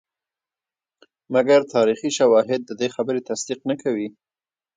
مګر تاریخي شواهد ددې خبرې تصدیق نه کوي.